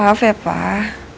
aku udah bikin papa khawatir